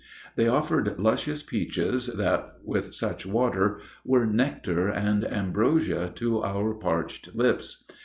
They offered luscious peaches that, with such water, were nectar and ambrosia to our parched lips.